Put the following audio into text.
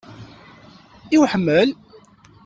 I uḥemmel?